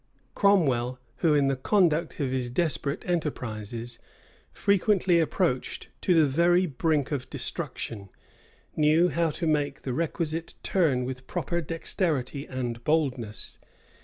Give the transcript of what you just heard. [*] Cromwell, who, in the conduct of his desperate enterprises, frequently approached to the very brink of destruction, knew how to make the requisite turn with proper dexterity and boldness.